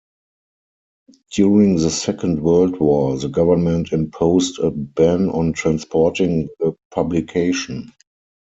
During the Second World War the government imposed a ban on transporting the publication.